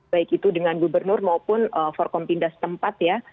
baik itu dengan gubernur maupun forkom pindah setempat ya